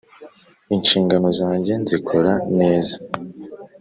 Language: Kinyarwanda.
inshingano zanjye nzikora neza